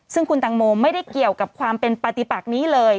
ซึ่งคุณตังโมไม่ได้เกี่ยวกับความเป็นปฏิปักนี้เลย